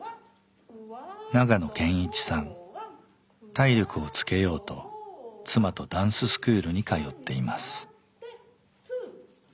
体力をつけようと妻とダンススクールに通っています。